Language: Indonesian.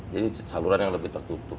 jadi saluran yang lebih tertutup